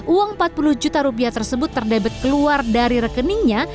uang rp empat puluh tersebut terdebit keluar dari rekeningnya